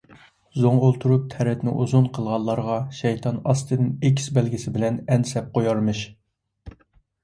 زوڭ ئولتۇرۇپ تەرەتنى ئۇزۇن قىلغانلارغا شەيتان ئاستىدىن ئېكىس بەلگىسى بىلەن ئەن سەپ قويارمىش.